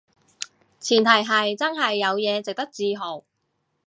前提係真係有嘢值得自豪